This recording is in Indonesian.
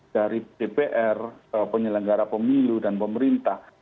dari dpr penyelenggara pemilu dan pemerintah